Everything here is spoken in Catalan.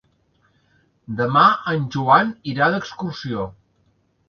Demà en Joan irà d'excursió.